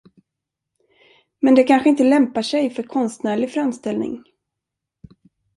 Men det kanske inte lämpar sig för konstnärlig framställning?